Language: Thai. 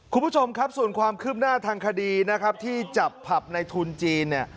คุณผู้ชมครับส่วนความคืบหน้าทางคดีนะครับที่จับผับในทุนจีนเนี่ย